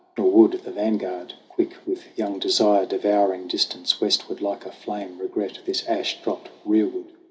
Nor would the vanguard, quick with young de sire, Devouring distance westward like a flame, Regret this ash dropped rearward.